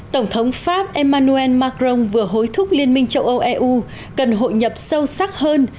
tổng thống pháp emmanuel macron vừa hối thúc liên minh châu âu eu cần hội nhập sâu sắc hơn